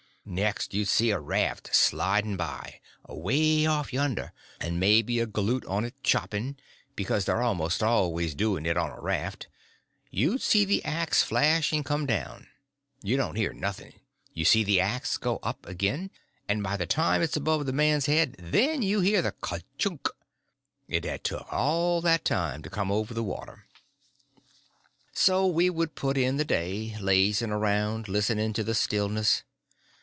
Next you'd see a raft sliding by, away off yonder, and maybe a galoot on it chopping, because they're most always doing it on a raft; you'd see the axe flash and come down—you don't hear nothing; you see that axe go up again, and by the time it's above the man's head then you hear the k'chunk!—it had took all that time to come over the water. So we would put in the day, lazying around, listening to the stillness.